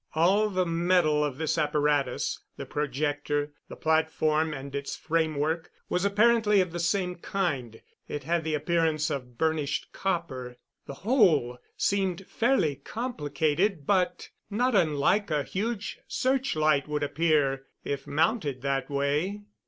All the metal of this apparatus, the projector, the platform and its framework, was apparently of the same kind; it had the appearance of burnished copper. The whole seemed fairly complicated, but not unlike a huge searchlight would appear if mounted that way.